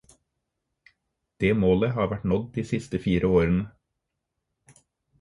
Det målet har vært nådd de fire siste årene.